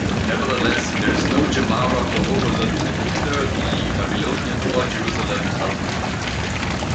Nevertheless, there is no Gemara for Oholot in either the Babylonian or Jerusalem Talmud.